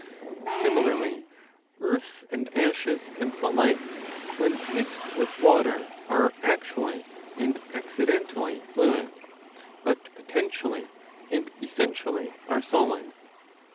Similarly earth and ashes and the like, when mixed with water, are actually and accidentally fluid, but potentially and essentially are solid.